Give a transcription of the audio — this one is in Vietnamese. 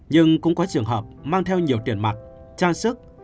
nhưng cũng có trường hợp mang theo nhiều tiền mặt trang sức